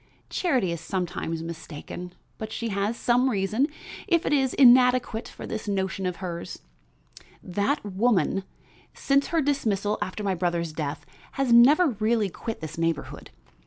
Charity is sometimes mistaken, but she has some reason, if it is inadequate, for this notion of hers. That woman, since her dismissal after my brother's death, has never really quit this neighborhood.